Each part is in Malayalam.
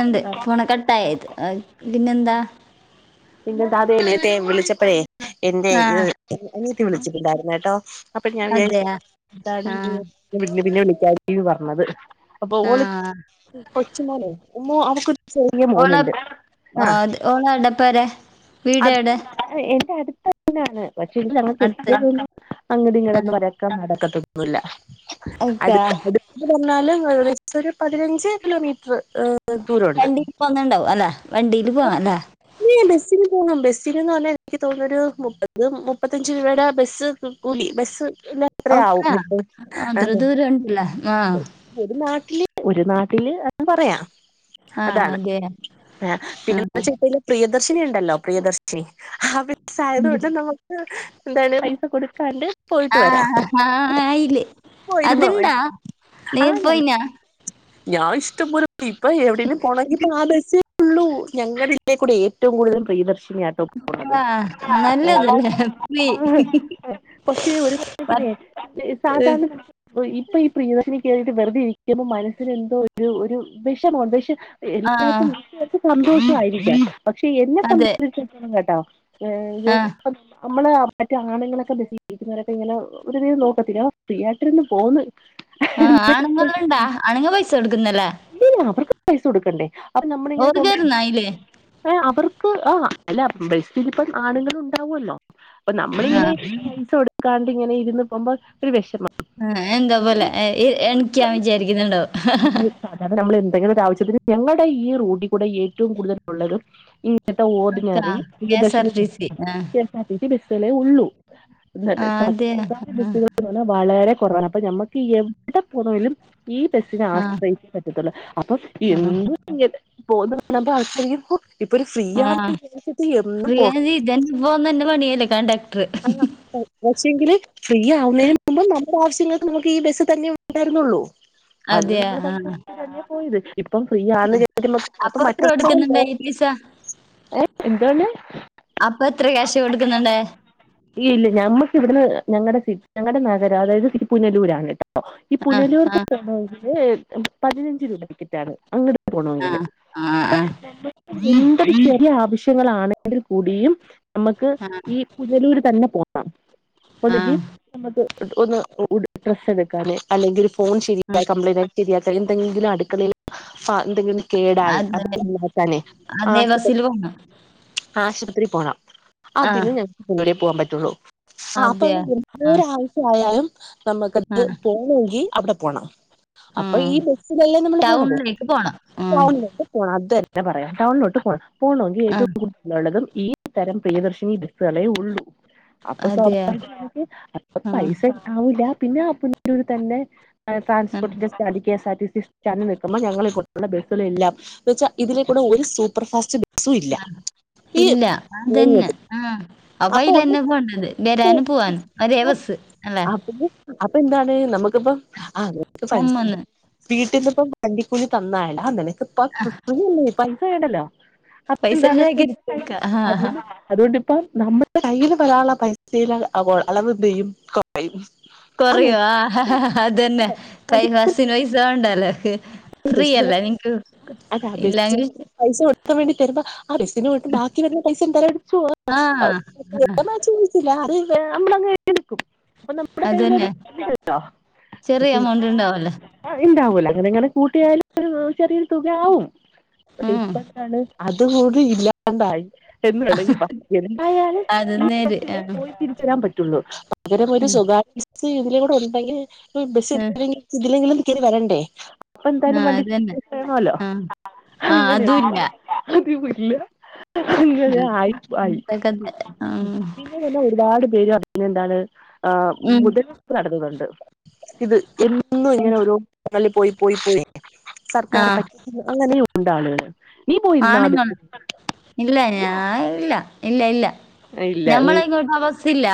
ആണ്ട് ആഹ് ഫോണ് കട്ട ആായത് പിന്നെന്താ പിന്നെന്താതെ നേത്തെ വിളിച്ചപ്പഴേ ആ എന്റെറെഇത് അനീത്തി വിളിച്ചിട്ടുണ്ടായിരുന്ന കേട്ടോ അപ്പൊ ഞാൻ വിചാരിച്ചു അതെയാ ആ എന്ത പിന്നെ വിളിക്കാ പറഞ്ഞത് അപ്പൊ ആ ഓള് പൊ ചുമോന്ന് ഉമ്മോ അവക്ക് രു ചെറിയ മോനുണ്ട് ആഹ് ഓന്ന് അവടപ്പെരെ വീട് എവിടെ ആ എൻന്റെ അടുത്ത നാണ് പക്ഷെ ഇതി ഞങ്ങക്ക് അടുത്ത് എത്തിയതൊന്നും അങ്ങട്ട ഇങ്ങന്നും വരക്കാൻ നടക്കത്തൊന്നുമില്ല ഓക്കെ ഇത് പറഞ്ഞാലും ഏകദേശ ഒരു പതിനഞ്ച് കിലോമീറ്റർ ദൂരോണ്ട് പ്പൊവന്നണ്ടാവും അല്ലേ വണ്ടിയിൽ പോവാനാ ബസ്സിന് പോണം ബസ്സിന് ന്ന് പറഞ്ഞാ എനിക്ക് തോന്നുന്ന ഒരു മുപ്പത് മുപ്പത്തഞ്ച രൂപയുടെ ബസ്സ് കൂലി ബസ് ലെത്രയാവും ഇപ്പ ആന്ന് ൺ ലെ മ്മം ഒരു നാട്ടില് ഒരു നാട്ടില് അത് പറയാ. ആ അതാണ് അതെയാ ആ പിന്നെ ന്താച്ച പ്പായില്ല് പ്രിയദർശിനി ഉണ്ടല്ലോ പ്രിയദർശിനി ആ ഉം. ബെസ്സായത്കൊണ്ട് നമുക്ക് എന്താല്ലും പൈസ കൊടുക്കാണ്ട് പോയിട്ട് ആ വരാം. ആ ആയില്ലേ പോയിരുന്നോ അതുണ്ടാ നീ ആഞങ്‌ പോയിനാ ഞാൻ ഇഷ്ടംപ്പൊലെ പോയി ഇപ്പൊ എവിടെങ്കിലും പോണങ്കിപ്പോ ആ ബസ്സേ ഉള്ളൂ ഞങ്ങളേ ഇതേ കൂടെ ഏറ്റവും കൂടുതൽ പ്രിയദർശിനിയായി [inaudible] ആ നല്ലതല്ലേ പോയി പക്ഷെ ഒരു കണക്കിനെ പത്ത് സാധാരണ ഇപ്പൊ ഈ പ്രിയദർശിനി കേറിട്ട് വെർതെ ഇരിക്കുമ്പോ മനസ്സിന് എന്തോ ഒരു ഒരു വിഷമണ്ട്. പക്ഷെ ആഹ് സന്തോഷമായിരിക്കാം. പക്ഷെ എന്നെ അതെ സംബന്ധിച്ചിട്ടും കേട്ടോ ആ [unintelligible] നമ്മള് മറ്റു ആണുങ്ങളൊക്കെ ബസ്സിലിരിക്കുന്നവരൊക്കെ ഇങ്ങനെ പൊതുവേ ഒരു നോക്കത്തില്ലേ. ഫ്രീ ആയിട്ട് ഇര്ന്ന് പോന്ന്. ആഹ് എന്നൊക്കെ ആണുങ്ങണ്ടാ അണുങ്ങ പൈസ കൊടുക്കുന്നല്ലേ? ഡി അവർക്ക് പൈസ കൊടുക്കണ്ടേ അപ്പൊ നമ്മള ഇങ്ങനെ പോകുമ്പ ഓർക്കാരുന്നായില്ലേ ഏ അവർക്ക് ആ അല്ല ബസ്സിലിപ്പം ആണുങ്ങളുണ്ടാവോലോ. അപ്പൊ ആ നമ്മളിങ്ങന്നെ പൈസ കൊടുക്കാണ്ട് ഇങ്ങനെ ഇരുന്ന് പോകുമ്പംഒരു വിഷമം. ആ എന്താപോലെ എ എ എണിക്കാൻ വിചാരിക്കുന്നുണ്ടോ അ നമ്മൾ എന്തെങ്കിലും ഒരു ആവശ്യത്തിന് ഞങ്ങളുടെ ഈ റോഡിക്കൂടെ ഏറ്റവും കൂടുതൽ ഉള്ളതും കേട്ടാ അക്കാ ഓർഡിനറി ഈ പ്രിയദർശിനി കെഎസ്ആർടിസി ആ K S R T C ബസ്സിളെ ഉള്ളൂ. ആ [unintelligible] അതെ സ്വകാര്യ ആ ബസ്സുകൾ എ പറഞ്ഞ വളരെ കുറവാണ് അപ്പൊ നമ്മക്ക് ഈ എടെ പോണേലും ഈ ബസിനെ ആ ആശ്രയിക്കാൻ പറ്റത്തുള്ളൂ. അപ്പൊ എന്ത് ഇങ്ങനെ പോന്ന് [unintelligible] ഹോ ഇപ്പൊ ഒരു ഫ്രീ ആ ആ യാച്ച്ട്ട് എന്നും പോ പോണന്നെ പണിയല്ലേ കണ്ടക്ടർ ആഹ് പക്ഷങ്കില് ഫ്രീ ആവുന്നതിന് മുമ്പ് നമ്മ ഓരോ ആവശ്യങ്ങൾക്ക് നമുക്ക് ഈ ബസ്സ് തന്നെ ഉണ്ടായിരുന്നൊള്ളു. അന്ന് അതെയാ നമ്മൾ ആ പൈസകൊടുത്തിട്ട് തന്നെ പോയത്. ഇപ്പം ഫ്രീ ആന്ന് കെരുതി അപ്പൊ [unintelligible] എത്ര മറ്റുള്ള [unintelligible] കൊടുക്കുന്നുണ്ടായി പൈസ ഏ എന്തണ് അപ്പൊ എത്ര ക്യാഷ് കൊടുക്കുന്നുണ്ട്? ഇല്ല ഞമ്മക്ക് വിടുന്ന് ഞങ്ങടെ സി ഞങ്ങളുടെ നഗരം അതായത് തിരിപ്പുനലൂരാണ് കേട്ടോ. ഈ ആ ആ പുനലൂർക് പോണെങ്കില് പതിനഞ്ച് രൂപ ടിക്കറ്റ് ആണ് അങ്ങട് ആ പോണോങ്കില് ആ അപ്പൊ ആ എന്തൊരു ചെറിയ ആവശ്യ ശ്യ ങ്ങളാണെങ്കിൽ കൂടിയും നമുക്ക് ഈ ആഹ് പുനലൂര് തന്നെ പോണം ആ ഒന്നങ്കിൽ നമുക്ക് ഒന്ന് ഡ്രസ്സ് എടുക്കാന് അല്ലെങ്കിൽ ഫോൺ ആ ശരിയാ കപ്ലയിൻ ശരിയാക്കാൻ എന്തെങ്കിലും അടുളയി ആഹ് എന്തെങ്കിലും ഒന്ന് കേടായി അതന്നെ അതൊക്കാനെ നന്നാക്കാന് അതേ ആശുപ ബസ്സിൽ പോണം ആശുപത്രി പോണം ആ അതിന് ഞങ്ങക്ക് പുനലൂരെ പോകാൻ പറ്റുള്ളൂ. ആ അപ്പ അതെയാ ആ എന്തരാവശ്യ ആയാലും ആ നമുക്കത് പോണമെങ്കി അവിടെ പോണം. ആ അപ്പൊ ഈ ബസ്സിലല്ലേ നമ്മള് പോണത് ടൗണിലേക്ക് പോണം ആ ഫ പോണം അതെ. എന്നെ പറയാ ടൗണിലോട്ട് പോക പോകണമെങ്കിൽ ആ ഏറ്റവും കൂടുതലുള്ളതും ഈ തരം പ്രിയദർശിനി ബസ് വളയ ഉള്ളൂ അപ്പൊ അതെയാ സ്വാഭാവിക അപ്പ ആ പൈസ ഉണ്ടാവൂല്ല. പിന്നെ അപ്പൊ തന്നെ ആ ട്രാസ്പോർട്ടിന്റെ സ്റ്റാൻഡ് കെഎസ്ആർ ടി സ ചാഞ്ഞു നിൽക്കുമ്പോ ഞങ്ങൾ ഇ കുടെ ബസ്സിലെല്ലാം എന്ന് വെച്ചാൽ ഇതിലേക്കൂടെ ഒരു സൂപ്പർഫാസ്റ്റ് ബസ്സും ഇല്ല ഈത് ആ അപ്പൊ അയിലന്നെ പോണ്ടത് ഒന്ന് വരാന് പോവാൻ ഒരേ ബസ്സ് അല്ലെ. അപ്പൊ അപ്പൊ എന്താണ് നമ്മുക്കിപ്പ ആളു കൾക് പൈസ ചമ്മന്ന്. വീട്ടിന്നിപ്പം വണ്ടിക്കൂലി തന്നായണ നിനക്ക് ഇപ്പം പൈസ വേണ്ടല്ലോ പൈസ എന്താണിപ്പം ശേഖരിച്ച് വെക്ക. ആ, [unintelligible] അതുകൊണ്ട് ഇപ്പം നമ്മുടെ കയ്യിൽ വരാനുള്ള പൈസയില് അളവ് എന്ത് ചെയ്യും കുറയും കൊറയോ ആ ഹഹഹ അതന്നെ കൈ ബസ്സിന്‌ പൈസ വേണ്ടല്ലോ ഫ്രീയല്ലേ നിങ്ങക്ക് അതെ ആ ബസ്സിന് ഇല്ലെങ്കി പൈസ കൊടുക്കാൻ വേണ്ടി തരുമ്പോ ആ ബസ്സിനായിട്ട് ബാക്കി വരുന്ന പൈസ എന്തായാലും എടുത്ത് പോവാ ആഹ്. പോവാന്ന് വെച്ച അറിയത്തില്ല അത് നമ്മളങ്ങ് എടുക്കും അപ്പൊ നമ്മടെ കയ്യില് അത് അതന്നെ. ഉണ്ട് ട്ടോ ചെറിയ പക്ഷെ എമൗണ്ട് ഇണ്ടാവല്ലോ. ആഹ് ഉണ്ടാവൂല അങ്ങനെ ഇങ്ങനെ കൂട്ടിയാലും ചെറിയൊരു തുകയാവും പക്ഷെ ഉം. ഇപ്പ അത് പോലും ഇല്ലാണ്ടായി എന്ന് വേണെങ്കിലും എന്തായാലും അത് ഈ നേര്. ബസ്സില് ആഹ്. പോയി തിരിച്ചു വരാൻ പറ്റുള്ളൂ പകരം ഒരു സ്വകാര്യ ബസ്സ് ഇതിലൂടെ ഉണ്ടെങ്കിൽ ഈ ബസ്സിൽ ആഹ്. ഇതിലെങ്കിലും കേറി വരണ്ടേ അപ്പൊ എന്തായാലും ആഹ് വണ്ടിക്ക് അതന്നെ. പൈസ വേണമല്ലോ ആഹ്. ആഹ് അങ്ങനെ അതും ഇല്ല. യാണ് അയ്യോ ഇല്ല അങ്ങനെ ആഹ്. ആയി ആയി ഇപ്പഴത്തെ കഥ. ആഹ്. പിന്നെന്ന് പറഞ്ഞ ഒരുപാട് പേര് പറയുന്നത് എന്താണ് ആഹ് ഉം. മുതലെടുപ്പ് നടക്കുന്നുണ്ട് ഇത് എന്നും ഇങ്ങനെ ഓരോ [unintelligible] പോയി പോയി പോയി സർക്കാരെ ആഹ്. പറ്റിക്കുന്ന് അങ്ങനെയുമുണ്ട് ആളുകള് നീ പോയിരുന്നോ അത് [unintelligible] ഇല്ല ഇല്ല ഇല്ല ഞമ്മള നീ ഇങ്ങോട്ട് ആ ബസ്സില്ല ഇല്ല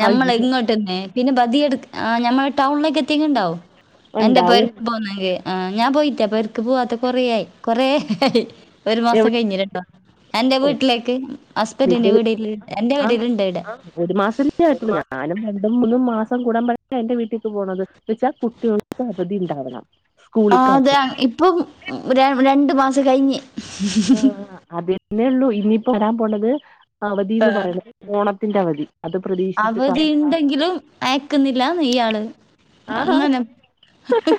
ഞമ്മള അയ്യോ ഇങ്ങോട്ട് പിന്നെ പിന്നെ ബധിയടുക്ക് ആ ഞമ്മൾ ടൗണിലേക്ക് എത്തിട്ടുണ്ടാവും എന്റെ ഉണ്ടാവും പേർക്ക് പോന്നെങ്കിൽ ആ ഞാൻ പോയിട്ടേ പേരക്ക് പോവാത്ത കൊറേ ആയി കൊറായി ഒരു മാസം എവിടെ കഴിഞ്ഞിട്ടുണ്ടാവും എന്റെ ഓ വീട്ടിലേക്ക് ഹസ്ബണ്ടിന്റെ നിന്റെ വീടെല് എന്റെ ആ വീട്ലുണ്ട് ഇവിടെ [unintelligible] രണ്ടും മൂന്നും മാസം കൂടീട്ടാണ് എന്റെ വീട്ടിലേക്ക് പോണത് എന്ന് വെച്ചാൽ കുട്ടികൾക്ക് അവധി ഉണ്ടാവണം സ്കൂളിൽക്ക്‌ അവധി അപ്പം ര രണ്ട് മാസം കഴിഞ്ഞ് ആഹ് അഹ് അതെന്നെ ഉള്ളൂ ഇനിയിപ്പോ വരാൻ പോണത് അവധി എന്ന് പറയുന്നത് ഓണത്തിന്റെ അവധി അത് പ്രതീ അവധി ഇണ്ടെങ്കിലും അയക്കുന്നില്ലന്ന് ഇയാള് ആ അങ്ങനെ ഹി ഹി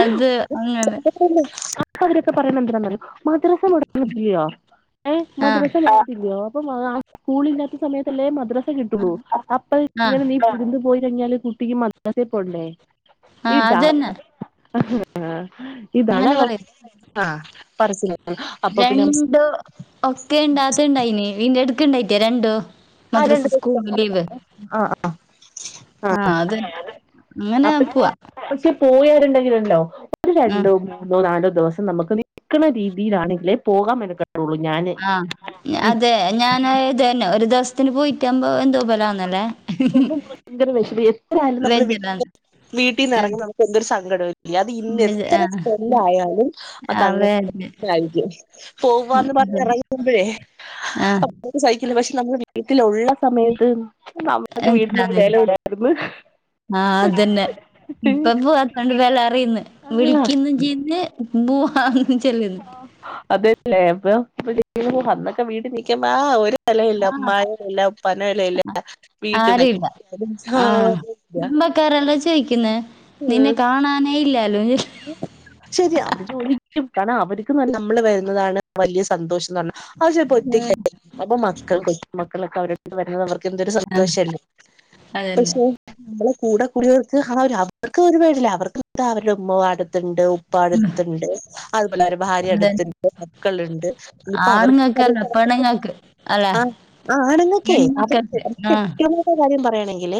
അത് അങ്ങനെ അ ചിലരൊക്കെ പറയുന്നേ എന്തുവാന്ന് അറിയോ മദ്രസ മൊടക്ക് ഇല്ലിയോ ഏഹ് ആഹ്. മദ്രസ മൊടക്കില്ലിയോ അഹ് സ്കൂള് ഇല്ലാത്ത സമയത്തല്ലേ മദ്രസ കിട്ടുള്ളൂ അപ്പൾ ആഹ്. ഇങ്ങനെ നീ വിരുന്ന് പോയി കഴിഞ്ഞാല് കുട്ടിക്ക് മദ്രസ്സേല് പോണ്ടേ ആഹ് ഇതാ അതന്നെ. ഇതാണ് അങ്ങനെ അവസ്ഥ അഹ് പരച്ചിലായി രണ്ട് ഒക്കെ ഉണ്ടായില്ലേ [unintelligible] ആ മദ്രസ് രണ്ട് ദിവസം സ്കൂളില് ലീവ് ആ ആഹ് അത് അങ്ങനെ പോവാ പോയാരുണ്ടെങ്കിലുണ്ടോ ഒരു ഉം രണ്ടും രണ്ടോ നാലോ ദിവസം നമുക്ക് നിൽക്കുന്ന രീതിയിലാണെങ്കില് പോകാൻ മെനക്കെട ആഹ് അതെ ഞാൻ ഇതന്നെ ഒരു ദിവസത്തിന് പോയിട്ടാകുമ്പോ എന്തോപോലെ ആവുന്നല്ലേ അഹ് പോകുമ്പോ നമുക്ക് ഭയങ്കര വിഷമാ എത്രായാലും നമ്മള് വീട്ടീ വെജ്ജല്ലാന്ന്. വീട്ടീന്ന് ആഹ് ഇറങ്ങുമ്പോ നമുക്ക് എന്തൊരു സങ്കടാല്ലേ അത് ഇന്നാ വെജ് എത്ര ആഹ്. കൊല്ലായാലും അത് ആഹ് അങ്ങനെ വെജ് തന്നായിരിക്കും പോവന്ന് പറഞ്ഞിറങ്ങുമ്പഴേ ആഹ് അപ്പൊ സഹിക്കില്ല പക്ഷെ നമ്മള് വീ വീട്ടിലുള്ള സമയത്ത് നമ്മക്ക് വീട്ടിലൊരു വില മനസ്സിലാവുന്നില്ല. ഇല്ലായിരുന്നു ആഹ് അതന്നെ ഇപ്പൊ പൂവാത്തോണ്ട് വിലറിയിന്ന് ആ വിളിക്കുന്നും ചെയ്യിന്ന് പൂവാന്ന് ചെല്ലന്ന് അതല്ലേ ഇപ്പൊ വിളിക്കുന്നു അന്നൊക്കെ വീട്ടിൽ നിക്കുമ്പോ ആഹ് ഒരു വിലയില്ല ആഹ് ഉമ്മാനെ ഇല്ല ഉപ്പാനെ വിലഇല്ല ആരിയില്ല ആഹ് ക്കാരല്ലോ ചോദിക്കുന്ന നിന്നെ കാണാനേ ഇല്ലല്ലോ. ശരിയാ അവർ ചോദിക്കും കാരണം അവർക്ക് നമ്മള് വരുന്നതാണ് വലിയ സന്തോഷം. അത് ചെലപ്പോ ഒറ്റക്കായി അപ്പൊ മക്കൾ കൊ മക്കളൊക്കെ അവരട്ത്ത്ന്ന് വരുന്നത് അവർക്ക് എന്തരു ആഹ് സന്തോഷല്ലേ അതന്നെ. നമ്മള് കൂടെ കൂടിയർക്ക് അവർക്ക് ഒരുപേടില്ല അവർക്ക് എന്ത അവരുടെ ഉമ്മ അടുത്തുണ്ട് ഉപ്പ അടുത്തണ്ട് അതുപോലെ അവരുടെ ഭാര്യ അത് അടുത്തണ്ട് മക്കളുണ്ട്. ഇപ്പ അവർക്ക് ആണുങ്ങൾക്കല്ല അവർക്ക് പെണ്ണുങ്ങൾക്ക് അല്ല ആ ആ ആണെന്നൊക്കെ അവർക്ക് പെൺമക്കൾക്ക് അവക്ക് ആഹ് മറ്റൊരു കാര്യം പറയയാണെങ്കിൽ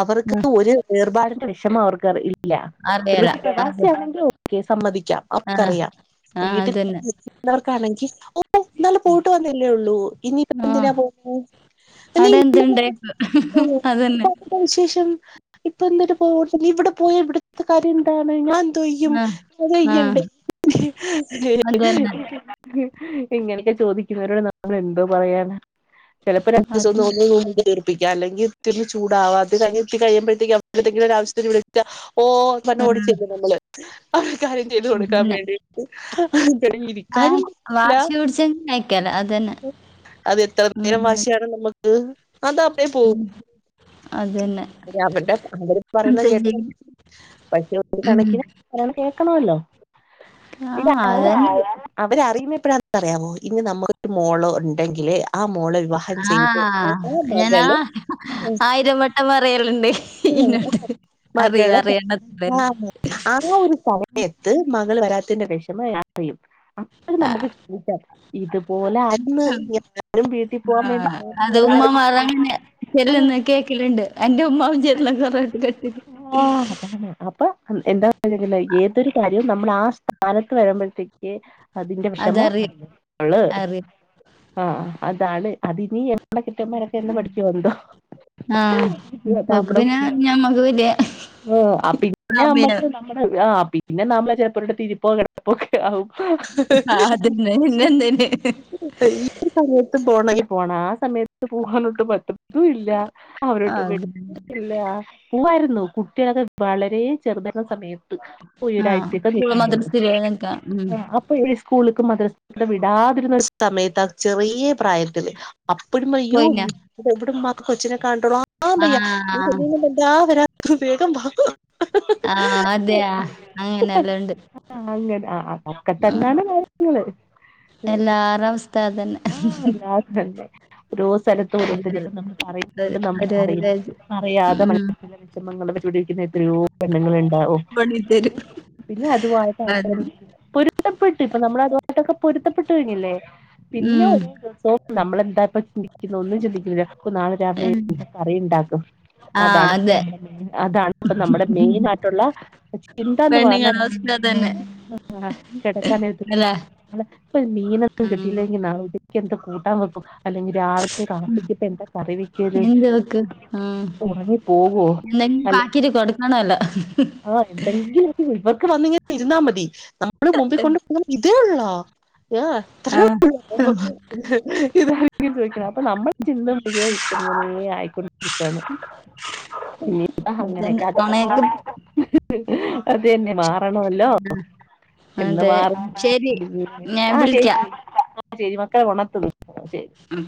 അവർക്ക് ഒരു വേർപാടിന്റെ വിഷമ അവർക്ക് അറിയില്ല ഇല്ല ഒരു അറിയല പക്ഷെ അത് പ്രവാസിയാണങ്കി ഓക്കെ സമ്മതിക്കാം. ആഹ് അവർക്കറിയാം ആഹ് വീട്ടിൽ അതന്നെ നിക്കുന്നവർകാണെങ്കിൽ ഓ ഇന്നല പോയിട്ട് വന്നല്ലേള്ളൂ ഇനിയിപ്പ ആഹ് എന്തിനാ പോവുന്നേ ഇനി അവിടെ [inaudible] എന്തുണ്ടേക്കും അതന്നെ വിശേഷം ഇപ്പ എന്തിട്ട് നി ഇവിടെ പോയ ഇവിടുത്തെ കാര്യം എന്താണ് ഞാൻ. ന്തെയും ആഹ് ആഹ് അതയുണ്ടെ അതന്നെ [inaudible] ഇങ്ങനെയൊക്കെ ചോദിക്കുന്നവരോട് നമ്മൾ എന്തോ പറയാന. ചിലപ്പോ രണ്ട് അത് [unintelligible] അല്ലെങ്കി ത്തിന് ചൂടാവാ അത് കഴിഞ് എത്തി കഴിമ്പോത്തേയ്ക്കും എന്തെങ്കിലും ആവിശ്യത്തിന് ഇവിടെ എത്താ ഓ പണ്ട് ആഹ് ഓടിച്ചരുന്നു നമ്മള്. അവർ കാര്യം ചെയ്തു കൊടുക്കാൻ അതന്നെ വേണ്ടിട്ട് അ ആഹ് ഇരിക്കാനും ഇല്ല. [unintelligible] അതന്നെ അത് എത്ര ഉം നേരം വാശിയാണ് നമ്മുക്ക് അതാ അപ്പഴേ പോകും അതന്നെ അവടെ അവിടെ പറയുന്ന എന്ത് കേട്ട ചെയ്യും പക്ഷെ ഒരു ഉം കണക്കിന് കേൾക്കണല്ലോ. ആഹ് അതന്നെ [unintelligible] അവര അറിയിന്നപ്പയാന്നറിയാമോ ഇനി നമുക്കൊരു മോള ഉണ്ടെങ്കില് ആ മോളെ വിവാഹം ചെയ്ത് ആഹ ആ ഞാനാ മകള് ആയിരവട്ടം പറിയലുണ്ട്. ഇനോട് അറിയ മകള് അറിയിണത് ആ ആ ഒരു സമയത്ത് മകൾ വരാത്തിന്റെ വിഷമം അറിയും അന്നേരം നമുക്ക് [unintelligible] ഇതുപോലെ ആര്ന്ന് എല്ലാരും വീട്ടിൽ പോവാൻ വേണ്ടി നിങ്ങള്. ചെല്ലന്ന് കേക്കലിണ്ട് എന്റെ ഉമമായും ചെല്ലുന്ന കൊറ കെട്ട് ആഹ അപ്പൊ എന്താ. ഏതൊരു കാര്യവും നമ്മൾ ആ സ്ഥാനത്ത് വരുമ്പോഴത്തേക്കും. അതിന്റെ വിഷമ അതറിയും അറിഞ്ഞള്. അറിയും. ആഹ അതാണ് അതിന് നമ്മളെ കെട്ട്യോൻമാരക്കെ എന്ന് പഠിക്കോന്തോ. ആഹ പഖു പിന്നെ നമ്മക്ക് പിന്നെ ആ പിന്നെ [unintelligible] നമ്മക്ക് ആ പിന്നെ നമ്മള് ചേപ്പൂരുടെ തിരിപ്പോ കിടപ്പക്കെ ആവും ആ അതന്നെ [unintelligible] പിന്നെന്തിന്. ഈ ഈ സമയത്ത് പോകണെങ്കിൽ പോണ ആ സമയത്ത് പോകാനോട്ട് പറ്റതും ഇല്ല അവരോട്ട് അതന്നെ. ഇല്ല പൂവായിരുന്നു കുട്ട്യൾ വളരെ ചെറുതരുന്ന സമയ ആ സ്കൂള് മദ്രസയില് നിക്കാ. ഉം. [unintelligible] സ്കൂൾക്ക് മദ്രസ് വിടാതിരുന്ന സമയത്ത് ആ ചെറിയ പ്രായത്തില് അപ്പഴും അയ്യോ പോയിനാ? എവിടും മ്മാക്ക് കൊച്ചിനെ [unintelligible] ആഹ് ആ വയ്യ. നീ [unintelligible] വേഗം വാ ഹ് ആഹ് അതെയ അങ്ങനെല്ലണ്ട്. ആഹ് അങ്ങനെ ആഹ് ആഹ് ക്കത്തന്നാണ് കാര്യങ്ങള്. എല്ലാര അവസ്ഥ അതന്നെ. അല്ലെ ഓരോ സ്ഥലത്തും ഓരോരുത്തര് തരും, ഇപ്പ നമ്മൾ പറയു തരും. ണ്ട് തരും, നമ്മൾ തരും, അറിയുന്നു. തരും. ഉം. [unintelligible] എത്രയോ പെണ്ണുങ്ങൾ ഉണ്ടാവും. കൊണ്ടുത്തരും. പിന്നെ അതുവായിട്ട് അത് [unintelligible] പൊരുത്തപ്പെട്ട് ഇപ്പൊ നമ്മള് അതുവായിട്ടൊക്കെ പൊരുത്തപ്പെട്ട് കഴിഞ്ഞില്ലേ പിന്നെ ഉം. ഒരോ ദിവസവും നമ്മളെന്താ ഇപ്പ ചിന്തിക്കുന്നെ ഒന്നും ചിന്തിക്കുല്ല നാളെ രാവിലെ ഉം. എന്ത്‌ കറിയിണ്ടാക്കും. ആ അതാണ് അതെ. അതാണ് ഇപ്പ നമ്മുടെ മെയിൻ ആയിട്ടുള്ള ചിന്ത എന്ന് പറഞ്ഞാ അസ്ന തന്നെ ആഹ് കെടക്കാനേര്ത്ത് രു നാളെ ഒരു മീനൊന്നും ഉം. കിട്ടിയില്ലെങ്കി നാളെ വ്ടി എന്താ കൂട്ടാൻ വെക്കും അല്ലെങ്കിൽ രാവില്ത്തെ കാപ്പിക്കിപ്പ എന്താ കറി വെയ്ക്കൽ എന്ത് വെക്ക്? [unintelligible] ആഹ് എന്തെങ്കിലും [unintelligible] ഇവർക്ക് വന്നിങ്ങനെ ഇരുന്നാ മതി. നമ്മള് മുമ്പിൽ കൊണ്ടു ഇതേ ഉള്ള ഞാ ആ. അത്രേ [unintelligible] [unintelligible] ഉം. [unintelligible] ഇതന്നെ. നുണയൊക്കെ ഹ് അത് തന്നെ മാറണല്ലോ എന്ന് അതെ. മാറും ശരി. ഞാൻ [inaudible] ആഹ് വിളിക്കാം. ശരി മക്കളെ ഒന്നർത്തുന്നു ശരി മ്